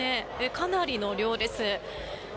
かなりの量です。